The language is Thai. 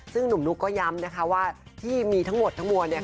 ซึ่งหนุ่มนุ๊กก็ย้ำนะคะว่าที่มีทั้งหมดทั้งมวลเนี่ย